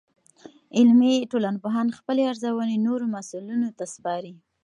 عملي ټولنپوهان خپلې ارزونې نورو مسؤلینو ته سپاري.